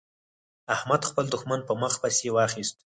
احمد خپل دوښمن په مخه پسې واخيست.